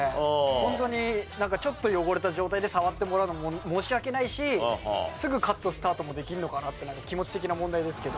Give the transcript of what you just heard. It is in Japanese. ホントにちょっと汚れた状態で触ってもらうのも申し訳ないしすぐカットスタートもできるのかなってなんか気持ち的な問題ですけど。